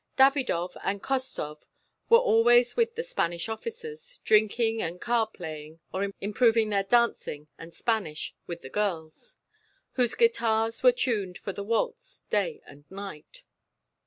Davidov and Khostov were always with the Spanish officers, drinking and card playing, or improving their dancing and Spanish with the girls, whose guitars were tuned for the waltz day and night.